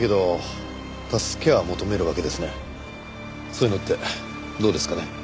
そういうのってどうですかね。